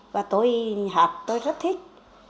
và tôi hát tôi rất thích